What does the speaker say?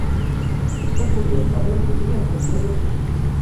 Que curiós que el meu cosí ens enviés aquí!